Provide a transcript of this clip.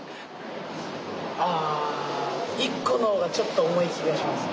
ああ１個の方がちょっと重い気がします。